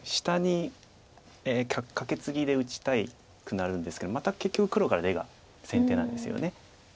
下にカケツギで打ちたくなるんですけどまた結局黒から出が先手なんですよね。